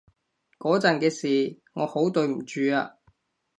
嗰陣嘅事，我好對唔住啊